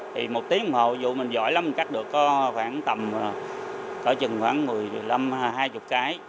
thì một tiếng một hộ dù mình giỏi lắm mình cắt được khoảng tầm khoảng một mươi năm hai mươi cái